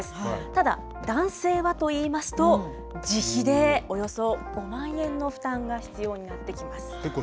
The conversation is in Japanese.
ただ、男性はといいますと、自費でおよそ５万円の負担が必要になってきます。